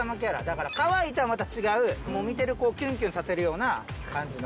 だからかわいいとはまた違うもう見てる子をキュンキュンさせるような感じの。